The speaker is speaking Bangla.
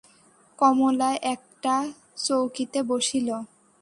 কমলা একটা চৌকিতে বসিল।